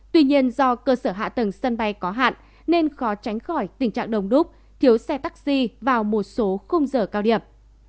tuy nhiên do cơ sở hạ tầng sân bay có hạn nên khó tránh khỏi tình trạng đồng đúc thiếu xe taxi vào một số khung giờ cao điểm